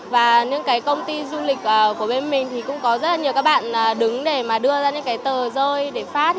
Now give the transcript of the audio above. và những công ty du lịch của bên mình cũng có rất nhiều các bạn đứng để đưa ra những tờ rơi để phát